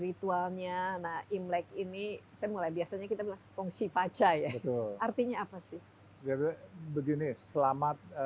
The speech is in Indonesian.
ritualnya naim like ini semula biasanya kita berkongsi pacar ya artinya apa sih begini selamat